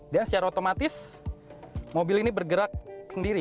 dan secara otomatis mobil ini bergerak sendiri